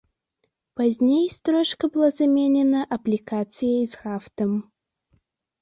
Пазней строчка была заменена аплікацыяй з гафтам.